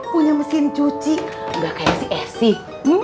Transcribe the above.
punya mesin cuci nggak kayak si esy